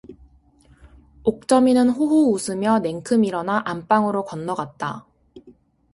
옥점이는 호호 웃으며 냉큼 일어나 안방으로 건너갔다.